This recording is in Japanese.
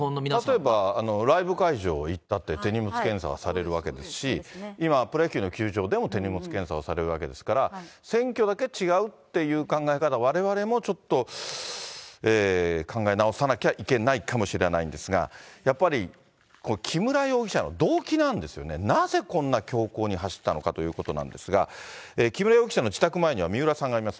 例えば、ライブ会場に行ったって、手荷物検査されるわけですし、今、プロ野球の球場でも手荷物検査をされるわけですから、選挙だけ違うっていう考え方、われわれもちょっと考え直さなきゃいけないかもしれないんですが、やっぱり、木村容疑者の動機なんですよね、なぜこんな凶行に走ったのかということなんですが、木村容疑者の自宅前には三浦さんがいます。